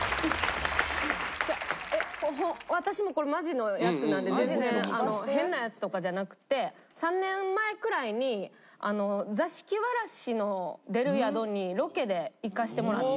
私もこれマジのやつなんで全然変なやつとかじゃなくて。３年前くらいに座敷童の出る宿にロケで行かせてもらって。